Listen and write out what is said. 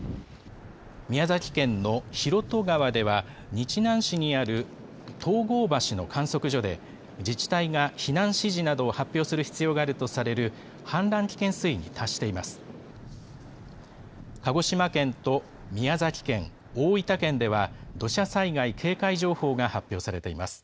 宮崎県の広渡川では、日南市にある東郷橋の観測所で、自治体が避難指示などを発表する必要があるとされる氾濫危険水位に達しています。